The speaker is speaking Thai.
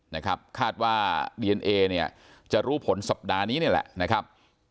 นะครับคาดว่าดีเอนเอเนี่ยจะรู้ผลสัปดาห์นี้นี่แหละนะครับ